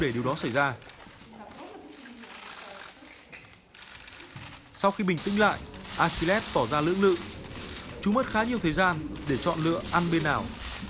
nhưng bình tĩnh lại archilet tỏ ra lưỡng lự chú mất khá nhiều thời gian để chọn lựa ăn bên nào